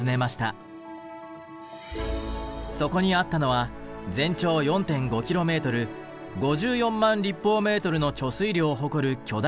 そこにあったのは全長４．５キロメートル５４万立方メートルの貯水量を誇る巨大な調整池。